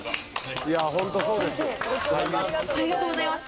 ありがとうございます。